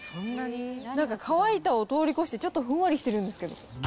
なんか乾いたを通り越して、ちょっとふんわりしてるんですけど。